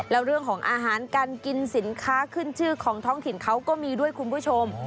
แล้วเรื่องของอาหารการกินสินค้าขึ้นชื่อของท้องถิ่นเขาก็มีด้วยคุณผู้ชม